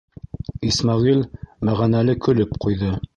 — Исмәғил мәғәнәле көлөп ҡуйҙы.